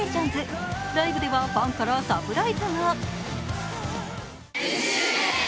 ライブではファンからサプライズが。